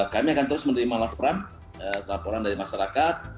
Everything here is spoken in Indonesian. kami akan terus menerima laporan laporan dari masyarakat